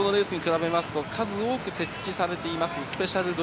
通常のレースに比べますと数多く設置されています